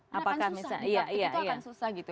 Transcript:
karena akan susah di praktik itu akan susah gitu